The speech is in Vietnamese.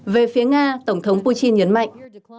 về phía nga tổng thống putin nhấn mạnh